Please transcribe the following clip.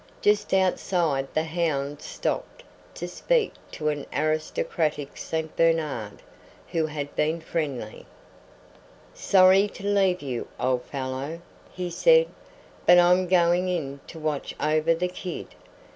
Just outside the hound stopped to speak to an aristocratic St. Bernard who had been friendly: "Sorry to leave you, old fellow," he said, "but I'm going in to watch over the kid.